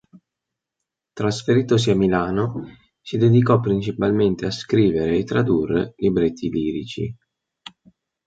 Trasferitosi a Milano, si dedicò principalmente a scrivere e tradurre libretti lirici.